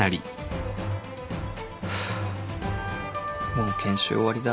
もう研修終わりだ。